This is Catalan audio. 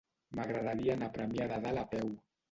M'agradaria anar a Premià de Dalt a peu.